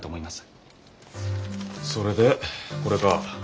それでこれか。